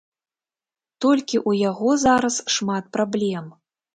Толькі ў яго зараз шмат праблем.